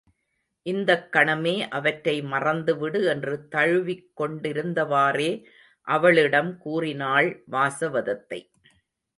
இந்தக் கணமே அவற்றை மறந்துவிடு என்று தழுவிக் கொண்டிருந்தவாறே அவளிடம் கூறினாள் வாசவதத்தை.